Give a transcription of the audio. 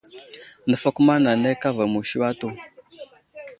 Nəfakuma nanay kava musi yo atu.